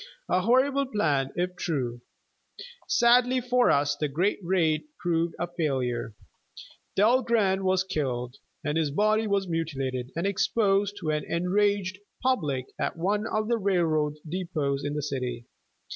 A horrible plan, if true. Sadly for us, the great raid proved a failure. Dahlgren was killed, and his body was mutilated and exposed to an enraged public at one of the railroad depots in the city.